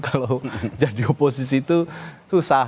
kalau jadi oposisi itu susah